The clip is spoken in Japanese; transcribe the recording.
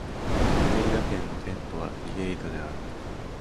リェイダ県の県都はリェイダである